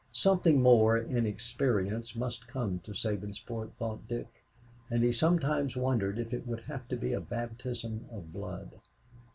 Something more in experience must come to Sabinsport, thought Dick; and he sometimes wondered if it would have to be a baptism of blood.